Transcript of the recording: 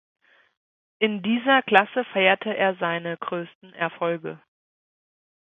In dieser Klasse feierte er seine größten Erfolge.